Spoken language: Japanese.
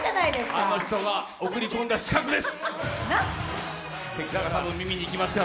あの人が送り込んだ刺客です。